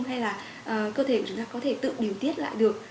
hay là cơ thể của chúng ta có thể tự điều tiết lại được